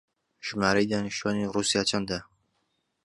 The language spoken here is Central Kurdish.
ژمارەی دانیشتووانی ڕووسیا چەندە؟